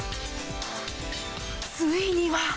ついには。